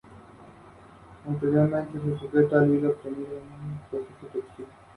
Quaker Press.